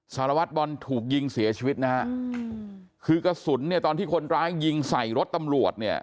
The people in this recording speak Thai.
สารวัตรบอลถูกยิงเสียชีวิตนะฮะคือกระสุนเนี่ยตอนที่คนร้ายยิงใส่รถตำรวจเนี่ย